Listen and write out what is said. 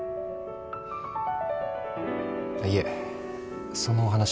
いえそのお話はまだ。